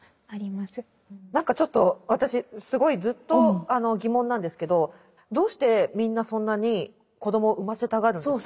何かちょっと私すごいずっと疑問なんですけどどうしてみんなそんなに子どもを産ませたがるんですか？